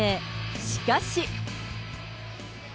しかし。